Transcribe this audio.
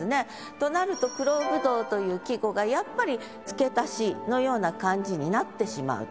となると「黒葡萄」という季語がやっぱり付け足しのような感じになってしまうと。